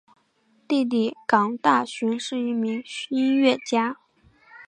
弟弟港大寻是一名音乐家。